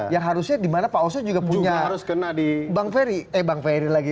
yang harusnya dimana pak oso juga punya bang ferry eh bang ferry lagi